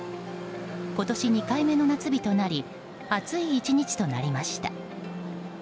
今年２回目の夏日となり暑い１日となりました。